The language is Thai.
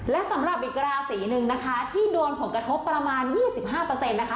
และสำหรับอีกราศีหนึ่งนะคะที่โดนผงกระทบประมาณยี่สิบห้าเปอร์เซ็นต์นะคะ